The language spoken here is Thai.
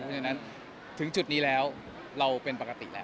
ฉะนั้นถึงจุดนี้แล้วเราเป็นปกติแล้ว